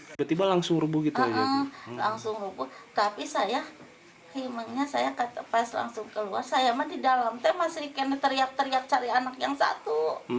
di dalam saya masih teriak teriak cari anak yang satu